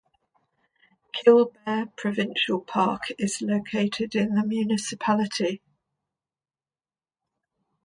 Killbear Provincial Park is located in the municipality.